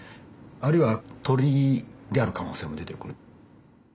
あるいは鳥である可能性も出てくる。